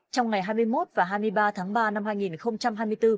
trong ngày hai mươi một và hai mươi ba tháng ba năm hai nghìn hai mươi bốn